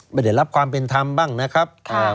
ไม่ได้รับความเป็นธรรมบ้างนะครับ